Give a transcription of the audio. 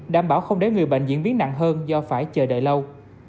đảm bảo không để người bệnh diễn biến nặng hơn do phải chờ đợi lâu